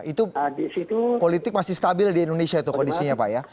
itu politik masih stabil di indonesia itu kondisinya pak ya